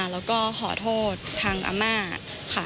แล้วก็ขอโทษทางอาม่าค่ะ